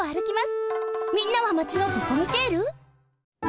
みんなはマチのドコミテール？